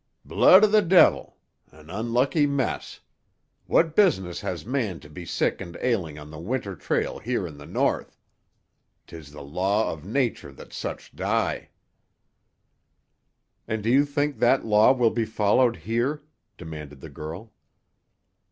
Blood of the de'il! An unlucky mess! What business has man to be sick and ailing on the Winter trail here in the North? 'Tis the law of Nature that such die!" "And do you think that law will be followed here?" demanded the girl.